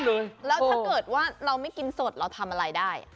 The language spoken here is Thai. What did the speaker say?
แล้วถ้าเกิดว่าเราไม่กินสดเราทำอะไรได้